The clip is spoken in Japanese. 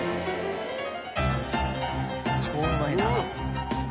超うまいな。